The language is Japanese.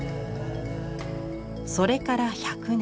それから１００年。